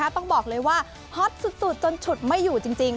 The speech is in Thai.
ต้องบอกเลยว่าฮอตสุดจนฉุดไม่อยู่จริง